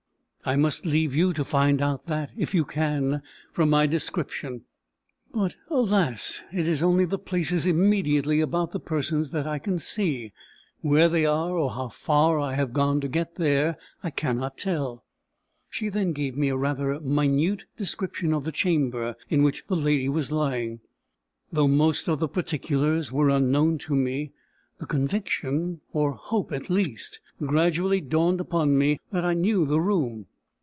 "I must leave you to find out that, if you can, from my description. But, alas! it is only the places immediately about the persons that I can see. Where they are, or how far I have gone to get there, I cannot tell." She then gave me a rather minute description of the chamber in which the lady was lying. Though most of the particulars were unknown to me, the conviction, or hope at least, gradually dawned upon me, that I knew the room.